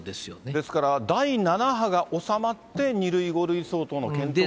ですから第７波が収まって、２類５類相当の検討と。